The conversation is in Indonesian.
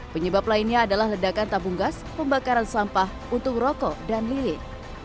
penyebab lainnya adalah ledakan tabung gas pembakaran sampah untung rokok dan lilin